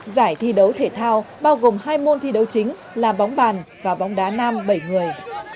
giải thi đấu thể thao bao gồm hai môn thi đấu chính là bóng bàn và bóng đá nam bảy người